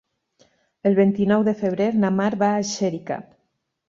El vint-i-nou de febrer na Mar va a Xèrica.